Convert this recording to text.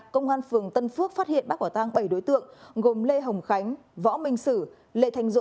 công an phường tân phước phát hiện bắt quả thang bảy đối tượng gồm lê hồng khánh võ minh sử